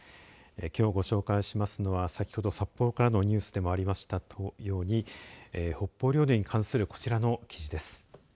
きょうご紹介しますのは先ほど札幌からのニュースでもありましたように北方領土に関するこちらの記事です。